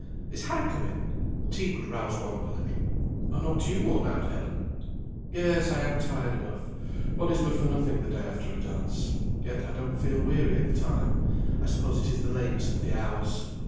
Is Harry come in? Tea would rouse one up a little. Are not you worn out, Helen?" "Yes; I am tired enough. One is good for nothing the day after a dance. Yet I don't feel weary at the time; I suppose it is the lateness of the hours."